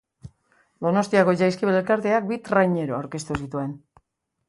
Donostiako Jaizkibel elkarteak bi traineru aurkeztu zituen.